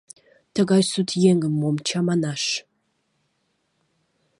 — Тыгай сут еҥым мом чаманаш!